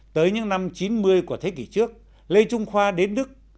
tới những năm chín mươi của thế kỷ trước lê trung khoa đến đức